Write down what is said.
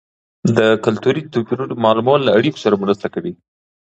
د کلتوري توپیرونو معلومول له اړیکو سره مرسته کوي.